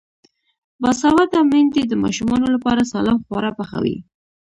باسواده میندې د ماشومانو لپاره سالم خواړه پخوي.